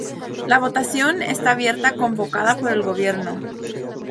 La votación está abierta convocada por el Gobierno.